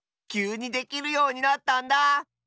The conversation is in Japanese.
きゅうにできるようになったんだ！